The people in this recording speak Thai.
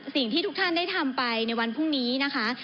สิ่งที่ทุกท่านได้ทำไปในวันพรุ่งนี้นะคะ